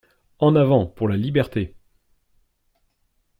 En avant pour la Liberté!